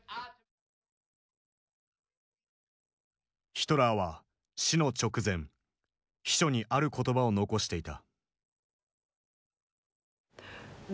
ヒトラーは死の直前秘書にある言葉を遺していた。